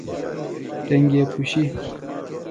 ٹنیگے پُشیۡ۔